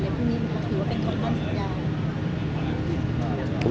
หรือว่าเป็นต้องการสัญญาณ